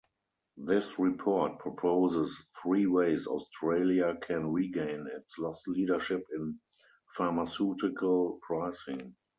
This report proposes three ways Australia can regain its lost leadership in pharmaceutical pricing.